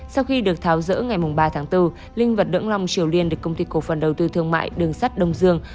sau khi được tháo rỡ ngày ba tháng bốn linh vật lưỡng long triều liên được công ty cổ phần đầu tư thương mại đường sắt đông dương